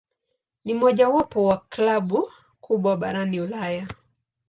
Ni mojawapo ya klabu kubwa barani Ulaya.